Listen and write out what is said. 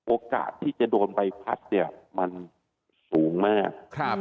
โอกาสที่จะโดนใบพัดเนี่ยมันสูงมาก